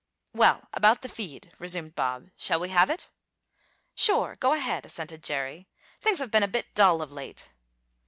"Well, about the feed," resumed Bob, "shall we have it?" "Sure! Go ahead!" assented Jerry. "Things have been a bit dull of late."